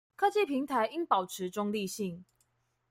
科技平台應保持中立性